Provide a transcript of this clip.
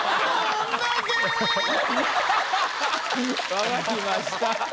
わかりました。